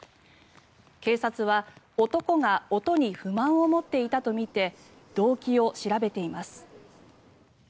警察は男が音に不満を持っていたとみて動機を調べています。